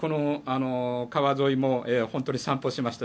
川沿いも、本当に散歩しまして。